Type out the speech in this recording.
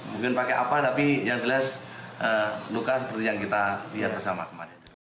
mungkin pakai apa tapi yang jelas luka seperti yang kita lihat bersama kemarin